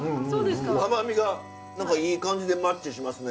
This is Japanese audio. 甘みが何かいい感じでマッチしますね。